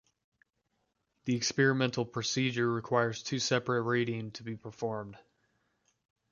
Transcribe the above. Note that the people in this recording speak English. The experimental procedure requires two separate reading to be performed.